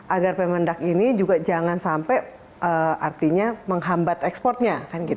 agar permendak ini juga jangan sampai menghambat ekspornya